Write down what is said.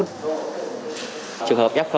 trường hợp f